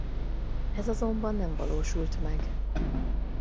Ez azonban nem valósult meg.